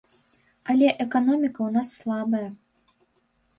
Але эканоміка ў нас слабая.